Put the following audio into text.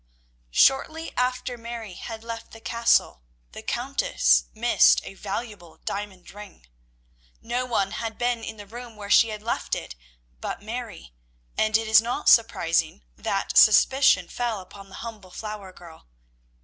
Shortly after Mary had left the Castle the Countess missed a valuable diamond ring. No one had been in the room where she had left it but Mary, and it is not surprising that suspicion fell upon the humble flower girl.